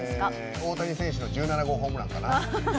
大谷選手の１７号ホームランかな？